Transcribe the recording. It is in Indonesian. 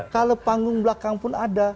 kalau panggung belakang pun ada